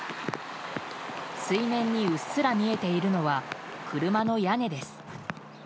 水面にうっすら見えているのは車の屋根です。